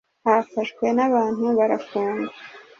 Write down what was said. hafashwe n’abantu barafungwa